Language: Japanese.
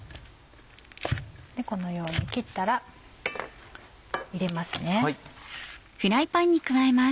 このように切ったら入れますね。